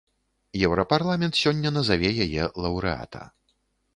Еўрапарламент сёння назаве яе лаўрэата.